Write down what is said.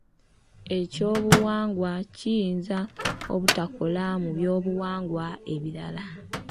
Ekyobuwangwa kiyinza obutakola mu byobuwangwa ebirala.